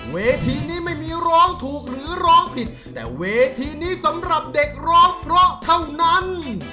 เวทีนี้ไม่มีร้องถูกหรือร้องผิดแต่เวทีนี้สำหรับเด็กร้องเพราะเท่านั้น